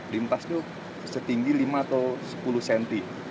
limpas itu setinggi lima atau sepuluh cm